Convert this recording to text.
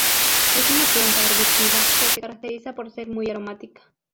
Es una planta arbustiva, que se caracteriza por ser muy aromática.